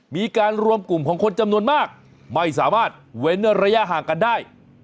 มีการรวมกลุ่มของคนจำนวนมากไม่สามารถเว้นระยะห่างกันได้